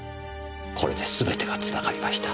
これですべてがつながりました。